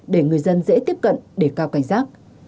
để người dân dễ tiếp cận để cao cảnh giác